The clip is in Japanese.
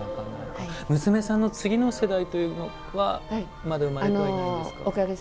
娘さんの次の世代はまだ生まれてないですか？